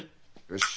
よし。